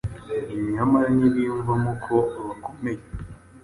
nyamara ntibiyumvamo ko bakomeye.